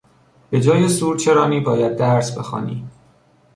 به جای سورچرانی باید درس بخوانی!